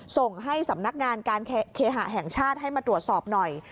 ส่งให้สำนักงานการเคหะแห่งชาติให้มาตรวจสอบหน่อย